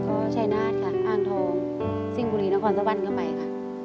ก็ชัยนาธิ์ค่ะอ่างโถงซิ่งภูรีและพรสะวันก็ไปค่ะ